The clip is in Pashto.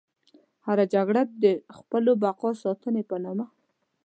هره جګړه د خپلو بقا ساتنې په نامه.